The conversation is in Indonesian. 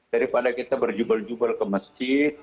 daripada kita berjubel jubel ke masjid